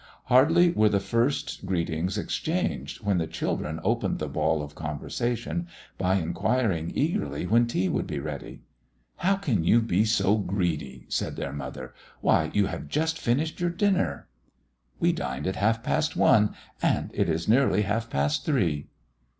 Hardly were the first greetings exchanged when the children opened the ball of conversation by inquiring eagerly when tea would be ready. "How can you be so greedy?" said their mother. "Why, you have only just finished your dinner." "We dined at half past one, and it is nearly half past three."